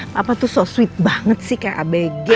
papa tuh so sulit banget sih kayak abg